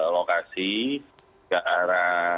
lokasi ke arah